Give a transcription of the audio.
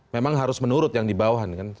memang harus menurut yang di bawah